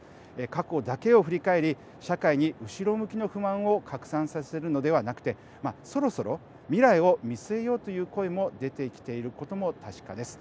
過去だけを振り返り社会に後ろ向きの不満を拡散させるのではなくてそろそろ未来を見据えようという声も出てきていることも確かです。